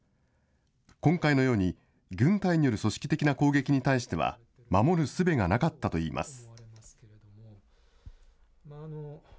今回のように、軍隊による組織的な攻撃に対しては、守るすべがなかったといいます。